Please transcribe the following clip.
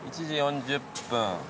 １時４０分。